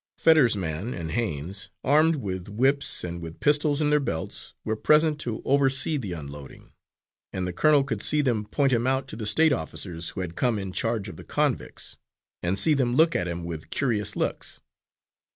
Fetters's man and Haines, armed with whips, and with pistols in their belts, were present to oversee the unloading, and the colonel could see them point him out to the State officers who had come in charge of the convicts, and see them look at him with curious looks.